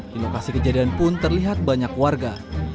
di lokasi kejadian pun terlihat banyak warga